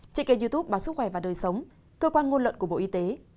trên kênh youtube báo sức khỏe và đời sống cơ quan ngôn luận của bộ y tế